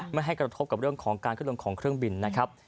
ไม่ให้กระทบกับเรื่องของการขึ้นลงของเครื่องบินนะครับ